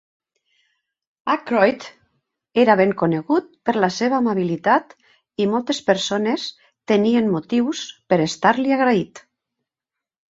Akroyd era ben conegut per la seva amabilitat, i moltes persones tenien motius per estar-li agraït.